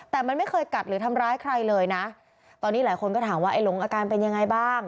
แต่มันไม่เคยกัดหรือทำร้ายใครเลยนะตอนนี้หลายคนก็ถามว่าไอ้หลงอาการเป็นยังไงบ้าง